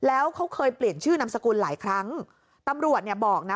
แล้วเขาเคยเปลี่ยนชื่อนามสกุลหลายครั้งตำรวจเนี่ยบอกนะ